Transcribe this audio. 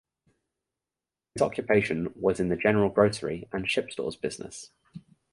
His occupation was in the general grocery and ship stores business.